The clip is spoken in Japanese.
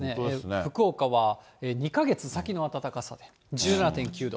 福岡は２か月先の暖かさで１７．９度。